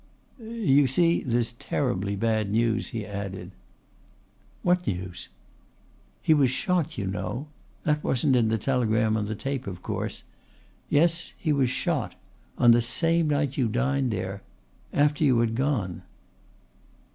"You see, there's terribly bad news," he added. "What news?" "He was shot, you know. That wasn't in the telegram on the tape, of course. Yes, he was shot on the same night you dined there after you had gone."